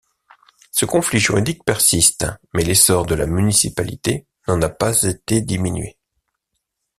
Ce conflit juridique persiste, mais l'essor de la municipalité n'en a pas été diminué.